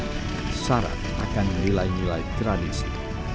pacu jawi syarat akan nilai nilai tradisi